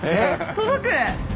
届く！